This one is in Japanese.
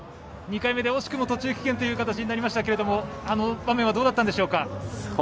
２回目で惜しくも途中棄権ということになりましたけどあの場面はどうだったんでしょうか。